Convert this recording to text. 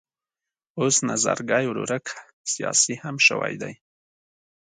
اوس نظرګی ورورک سیاسي هم شوی دی.